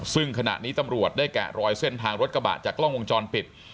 ซึ่งขณะนี้ตำรวจได้แกะรอยเส้นทางรถกระบะจากกล้องวงจรปิด